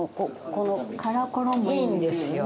カラコロンもいいんですよね。